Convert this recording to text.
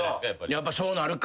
やっぱそうなるか。